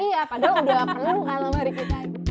iya padahal udah perlu kan lemari kita